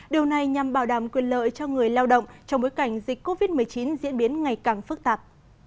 điều này nhằm bảo đảm quyền lợi cho người lao động trong bối cảnh dịch covid một mươi chín diễn biến ngày càng phức tạp